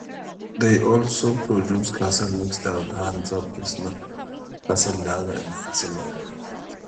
They also produce Castle milk stout, Hansa Pilsner, Castle Lager and Castle Lite.